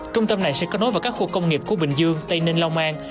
trung tâm này sẽ kết nối vào các khu công nghiệp của bình dương tây ninh long an